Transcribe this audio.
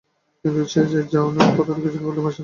কিন্তু এই যে যাও নি সেই কথাটা কিছুতেই ভুলতে পারছ না।